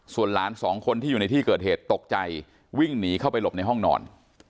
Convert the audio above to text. ส่วนหลานสองคนที่อยู่ในที่เกิดเหตุตกใจวิ่งหนีเข้าไปหลบในห้องนอน